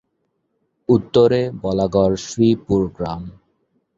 উত্তরে বলাগড়-শ্রীপুর গ্রাম।